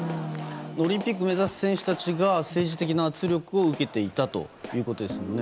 オリンピックを目指す選手たちが政治的な圧力を受けていたということですよね。